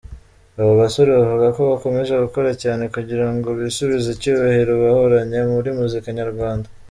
Aba basore bavuga ko bakomeje gukora cyane kugirango bisubize icyubahiro bahoranye muri muzika nyarwanda.